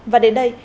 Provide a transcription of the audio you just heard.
và đến đây